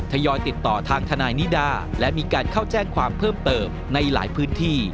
ทยอยติดต่อทางทนายนิดาและมีการเข้าแจ้งความเพิ่มเติมในหลายพื้นที่